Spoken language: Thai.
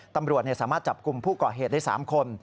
ตำรวจสามารถจับกลุ่มผู้ก่อเหตุได้๓คน